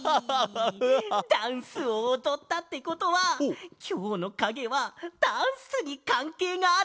ダンスをおどったってことはきょうのかげはダンスにかんけいがあるかげなんだね？